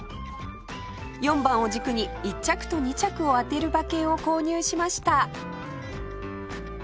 ４番を軸に１着と２着を当てる馬券を購入しました